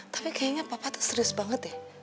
tapi kayaknya papa tuh serius banget deh